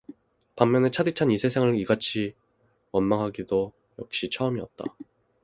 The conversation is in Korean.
반면에 차디찬 이 세상을 이같이 원망하기도 역시 처음이었다.